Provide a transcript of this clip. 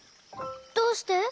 どうして？